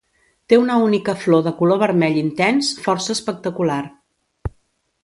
Té una única flor de color vermell intens, força espectacular.